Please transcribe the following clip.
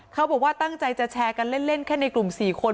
เขาบอกว่าตั้งใจจะแชร์กันเล่นแค่ในกลุ่ม๔คน